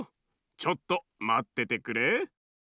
ちょっとまっててくれ。